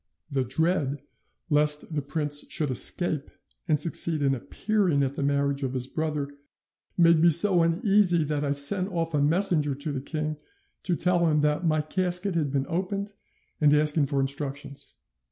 "'The dread lest the prince should escape and succeed in appearing at the marriage of his brother made me so uneasy, that I sent off a messenger to the king to tell him that my casket had been opened, and asking for instructions.